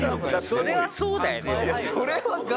「それはそうだよね」